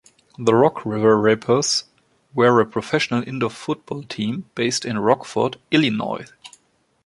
The Rock River Raptors were a professional indoor football team based in Rockford, Illinois.